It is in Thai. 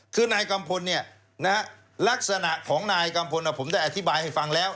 คือนายกัมพลลักษณะของนายกัมพลผมได้อธิบายให้ฟังแล้ว